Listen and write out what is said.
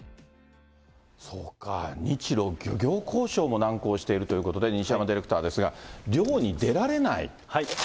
そうか、日ロ漁業交渉も難航しているということで、西山ディレクターですが、漁に出られない。